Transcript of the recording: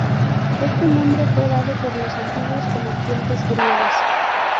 Este nombre fue dado por los antiguos comerciantes griegos.